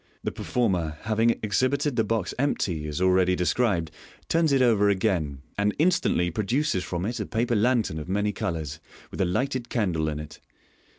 — The performer, having exhibited the box empty, as already described, turns it over again, and instantly produces from it a paper lantern of many colours, with a lighted candle in it.